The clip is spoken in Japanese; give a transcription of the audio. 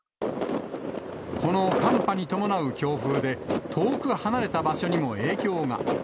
この寒波に伴う強風で、遠く離れた場所にも影響が。